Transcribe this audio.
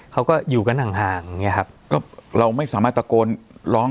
เขาก็อยู่กันห่างห่างอย่างเงี้ครับก็เราไม่สามารถตะโกนร้อง